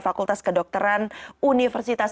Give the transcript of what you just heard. fakultas kedokteran universitas